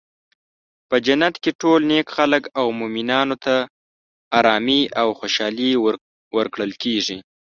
په جنت کې ټول نیک خلک او مومنانو ته ارامي او خوشحالي ورکړل کیږي.